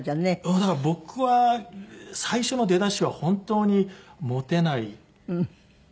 だから僕は最初の出だしは本当にモテない。